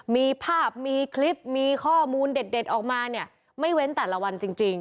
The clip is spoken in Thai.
มีภาพมีคลิปมีข้อมูลเด็ดออกมาเนี่ยไม่เว้นแต่ละวันจริง